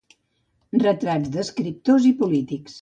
Retrats d'escriptors i polítics.